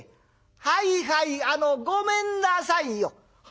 「はいはいあのごめんなさいよ」。